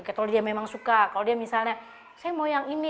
kalau dia memang suka kalau dia misalnya saya mau yang ini